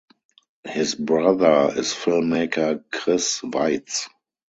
His brother is filmmaker Chris Weitz.